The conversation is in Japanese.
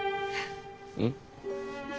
うん。